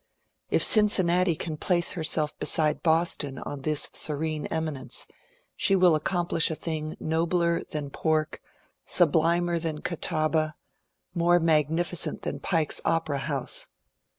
If Cincinnati can place herself beside Boston on this serene eminence, she will aocompli£ih a thing nobler than pork, sublimer than Catawba, more magnificent than Pike's Opera House.